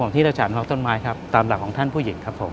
ที่เราฉานฮอกต้นไม้ครับตามหลักของท่านผู้หญิงครับผม